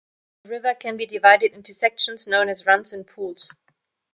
A river can be divided into sections known as runs and pools.